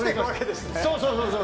そうそうそうそう。